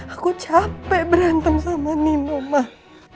aku capek berantem sama nino mah